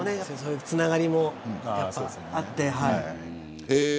つながりもあってね。